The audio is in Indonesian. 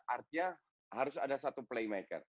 artinya harus ada satu playmaker